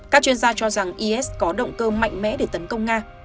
các chuyên gia cho rằng is có động cơ mạnh mẽ để tấn công nga